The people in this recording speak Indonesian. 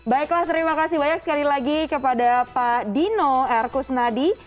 baiklah terima kasih banyak sekali lagi kepada pak dino rkusnadi